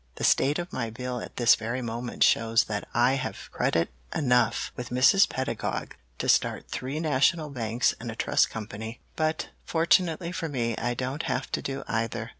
"The state of my bill at this very moment shows that I have credit enough with Mrs. Pedagog to start three national banks and a trust company. But, fortunately for me, I don't have to do either.